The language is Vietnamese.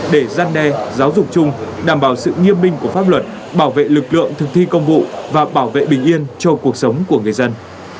để gian đe giáo dục chung đảm bảo sự nghiêm binh của pháp luật bảo vệ lực lượng thực thi công vụ và bảo vệ bình yên cho cuộc sống của người dân